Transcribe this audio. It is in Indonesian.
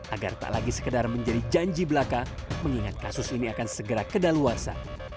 agar tak lagi sekedar menjadi janji belaka mengingat kasus ini akan segera kedaluarsa